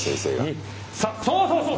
そうそうそう。